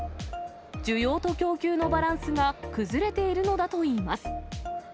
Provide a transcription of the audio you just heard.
需要と供給のバランスが崩れているのだといいます。